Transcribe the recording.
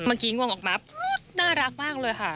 เมื่อกี้งวงออกมาน่ารักมากเลยค่ะ